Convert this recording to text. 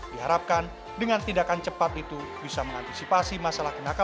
diharapkan dengan tindakan cepat itu bisa mengantisipasi masalah kenaikan